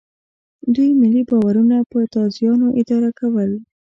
دوی ملي باورونه په تازیانو اداره کول.